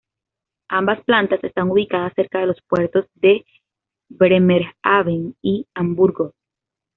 Ambas plantas están ubicadas cerca de los puertos de Bremerhaven y Hamburgo.